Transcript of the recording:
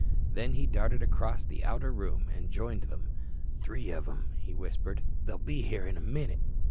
Then he darted across the outer room and joined them. "Three of 'em," he whispered. "They'll be here in a minute."